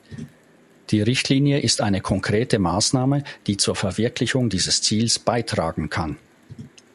Die Richtlinie ist eine konkrete Maßnahme, die zur Verwirklichung dieses Ziels beitragen kann.